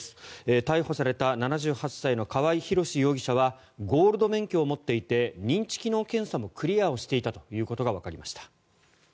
逮捕された７８歳の川合廣司容疑者はゴールド免許を持っていて認知機能検査もクリアしていたことがわかりました。